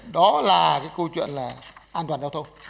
đó là cái câu chuyện là an toàn giao thông